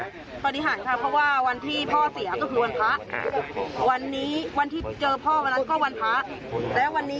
เพราะว่าพี่เขาเต็มที่